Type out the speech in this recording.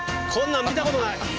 こんなん見たことない！